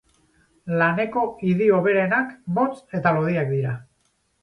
Laneko idi hoberenak motz eta lodiak dira.